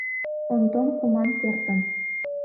Онтон куман кертын...